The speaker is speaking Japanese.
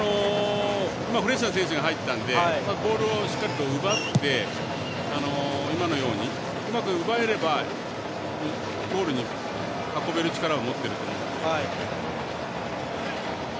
フレッシュな選手が入ったのでボールをしっかりと奪って今のように、うまく奪えればゴールに運べる力を持っていると思うので。